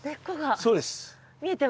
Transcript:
そうです。